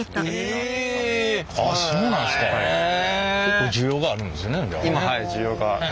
結構需要があるんですねじゃあ。